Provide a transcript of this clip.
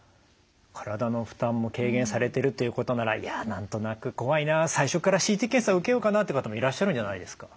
体の負担も軽減されてるということならいや何となく怖いな最初からＣＴ検査を受けようかなって方もいらっしゃるんじゃないですか？